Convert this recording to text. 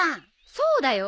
そうだよ。